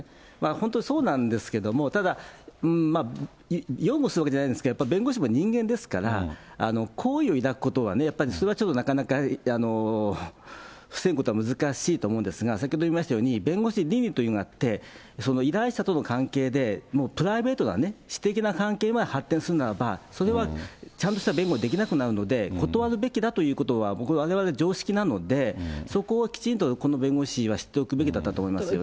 本当、そうなんですけども、ただ、擁護するわけじゃないんですけど、やっぱり弁護士も人間ですから、好意を抱くことはね、やっぱりそれはちょっとなかなか防ぐことは難しいと思うんですが、先ほど言いましたように、弁護士倫理というのがあって、その依頼者との関係で、もうプライベートな私的な関係まで発展するならば、それはちゃんとした弁護はできなくなるので、断るべきだということは、われわれの常識なので、そこをきちんとこの弁護士は知っておくべきだったと思いますよね。